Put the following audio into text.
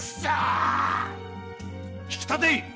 引き立てい。